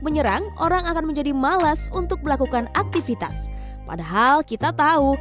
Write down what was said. menyerang orang akan menjadi malas untuk melakukan aktivitas padahal kita tahu